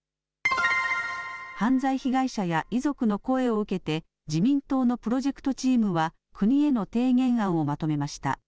犯罪被害者や遺族の声を受けて自民党のプロジェクトチームは国への提言案をまとめました。